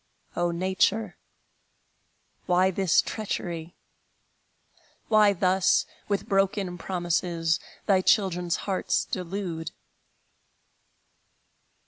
O Nature, why this treachery? Why thus, with broken promises, Thy children's hearts delude?